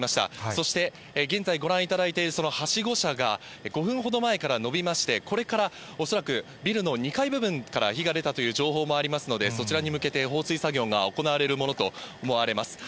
そして、現在ご覧いただいているはしご車が５分ほど前から伸びまして、これから恐らくビルの２階部分から火が出たという情報もありますので、そちらに向けて放水作業が行われるものと思われます。